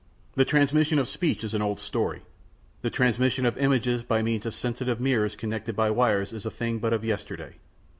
The transmission of speech is an old story; the transmission of images by means of sensitive mirrors connected by wires is a thing but of yesterday.